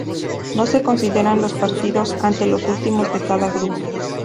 No se consideran los partidos ante los últimos de cada grupo.